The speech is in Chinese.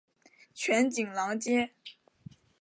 全景廊街。